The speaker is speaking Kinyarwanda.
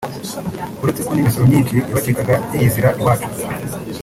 uretse ko n’imisoro myinshi yabacikaga yiyizira iwacu